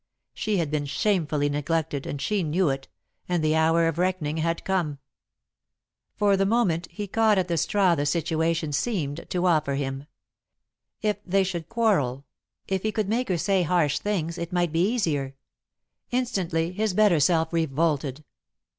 She had been shamefully neglected, and she knew it, and the hour of reckoning had come. For the moment he caught at the straw the situation seemed to offer him. If they should quarrel if he could make her say harsh things, it might be easier. Instantly his better self revolted.